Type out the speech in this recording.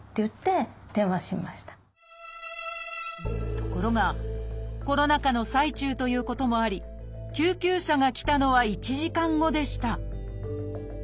ところがコロナ禍の最中ということもあり救急車が来たのは１時間後でした